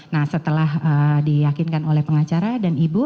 nah setelah diyakinkan oleh pengacara dan ibu